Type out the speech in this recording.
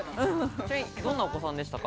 ちなみにどういうお子さんでしたか？